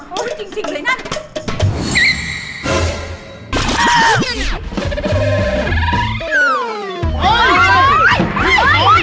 โอ้ยจริงเลยนั่น